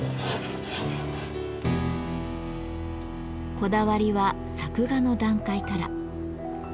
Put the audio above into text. こだわりは作画の段階から。